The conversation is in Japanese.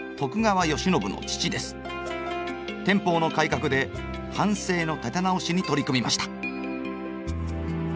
天保の改革で藩政の立て直しに取り組みました。